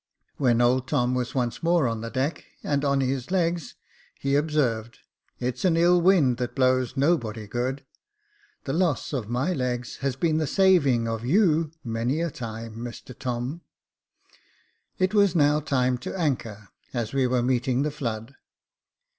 When old Tom was once more on the deck and on his legs, he observed, " It's an ill wind that blows nobody good. The loss of my legs has been the saving of you many a time, Mr Tom." It was now time to anchor, as we were meeting the flood.